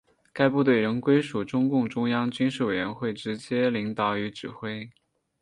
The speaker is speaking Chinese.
该部队仍归属中共中央军事委员会直接领导与指挥。